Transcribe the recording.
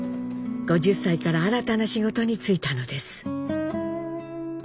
５０歳から新たな仕事に就いたのです。